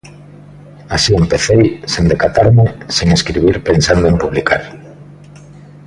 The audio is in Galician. Así empecei, sen decatarme, sen escribir pensando en publicar.